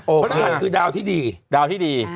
มนุษยฮัตคือดาวที่ดี